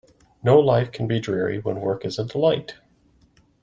No life can be dreary when work is a delight.